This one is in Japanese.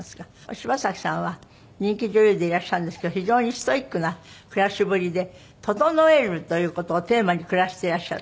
柴咲さんは人気女優でいらっしゃるんですけど非常にストイックな暮らしぶりで「整える」という事をテーマに暮らしていらっしゃる。